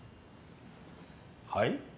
はい？